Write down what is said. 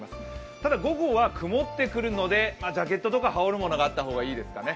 ただ午後は、曇ってくるので、ジャケットとか羽織るものがあった方がいいですかね。